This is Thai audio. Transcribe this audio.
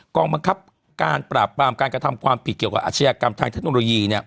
กองบังคับการปราบปรามการกระทำความผิดเกี่ยวกับอาชญากรรมทางเทคโนโลยีเนี่ย